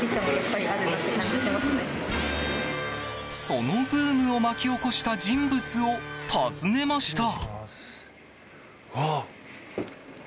そのブームを巻き起こした人物を訪ねました。